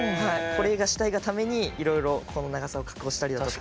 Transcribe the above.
これがしたいがためにいろいろここの長さを加工したりだとか。